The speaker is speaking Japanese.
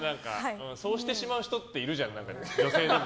そうしてしまう人っているじゃないですか、女性でも。